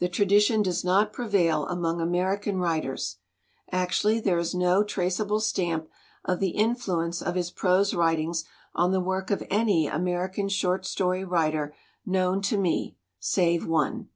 The tradition does not prevail among American writers. Actually there is no traceable stamp of the influence of his prose writings on the work of any American short story writer known to me, save one.